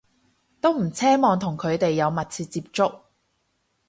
都唔奢望同佢哋有密切接觸